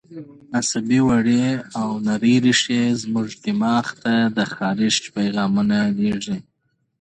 عصبي وړې او نرۍ رېښې زموږ دماغ ته د خارښ پیغامونه لېږي.